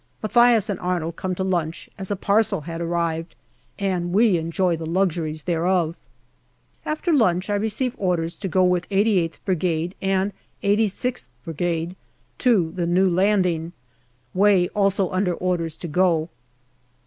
Mathias and Arnold came to lunch, as a parcel had arrived, and we enjoyed the luxuries thereof. After lunch I receive orders to go with 88th Brigade and 86th Brigade to the new landing. Way also under orders to go.